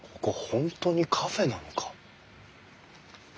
本当にカフェなのか？